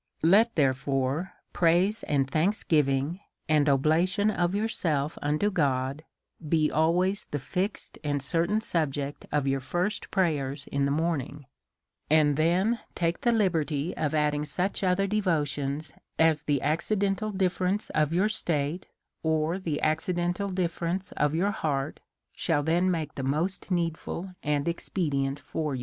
Let, therefore, praise and thanksgiving, and obla tion of yourself unto God, be always the fixed and cer tain subject of your first prayers in the morning ; and then take the liberty of adding such other devotions as the accidental difference of your state, or the acciden tal difference of your heart, shall then make most needful and expedient for you.